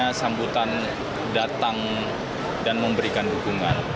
ada sambutan datang dan memberikan dukungan